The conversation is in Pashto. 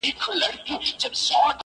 مړ مي که، خو پړ مي مه که.